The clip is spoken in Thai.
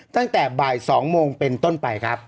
ตั้งแต่บ่าย๒โมงเป็นต้นไปครับ